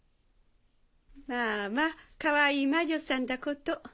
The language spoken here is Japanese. まぁまぁかわいい魔女さんだこと。